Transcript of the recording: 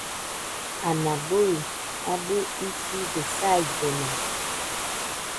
Ana bɨi abɨ iside saillena.